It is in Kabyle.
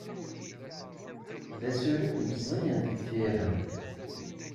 D asurif meẓẓiyen di tira.